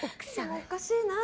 おかしいなぁ。